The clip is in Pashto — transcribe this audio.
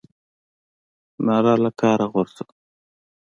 ناره له کاره غورځوو.